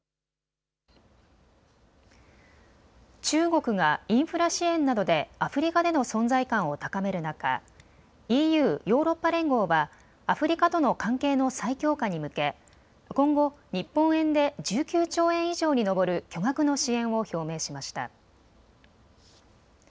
中国がインフラ支援などでアフリカでの存在感を高める中、ＥＵ・ヨーロッパ連合はアフリカとの関係の再強化に向け今後、日本円で１９兆円以上に上る巨額の支援を表明しました。